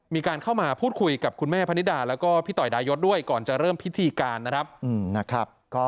มีการเข้ามาพูดคุยกับคุณแม่พนิดาแล้วก็พี่ต่อยดายศด้วยก่อนจะเริ่มพิธีการนะครับ